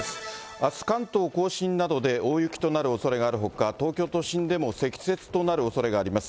あす、関東甲信などで大雪となるおそれがあるほか、東京都心でも積雪となるおそれがあります。